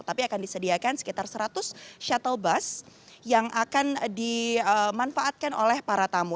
tapi akan disediakan sekitar seratus shuttle bus yang akan dimanfaatkan oleh para tamu